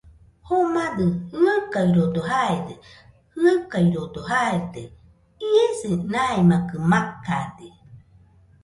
Jomadɨ jɨaɨkaɨrodo jaide, jaɨkaɨrodo jaide. Iese maimakɨ makade.